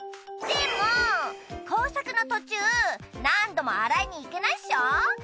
でも工作の途中何度も洗いに行けないっしょ？